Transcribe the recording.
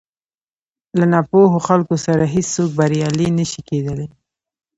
له ناپوهو خلکو سره هېڅ څوک بريالی نه شي کېدلی.